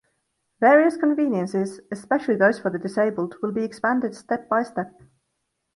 Various conveniences, especially those for the disabled, will be expanded step by step.